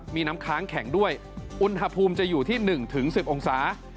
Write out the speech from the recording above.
มีน้ำค้างแข็งด้วยอุณหภูมิจะอยู่ที่๑๑๐องศา